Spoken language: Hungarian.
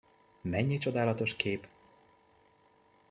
Mennyi csodálatos kép!